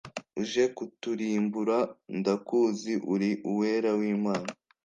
uje kuturimbura? ndakuzi uri uwera w’imana